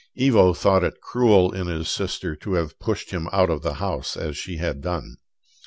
Ivo thought it cruel in his sister to have pushed him out of the house as she had done.